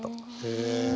へえ。